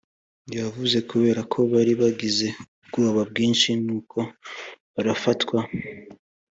yavuze kubera ko bari bagize ubwoba bwinshi nuko barafatwa